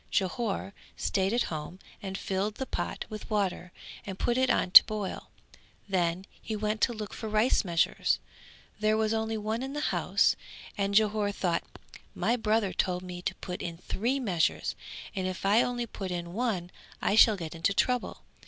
Jhore stayed at home and filled the pot with water and put it on to boil; then he went to look for rice measures; there was only one in the house and Jhore thought "My brother told me to put in three measures and if I only put in one I shall get into trouble."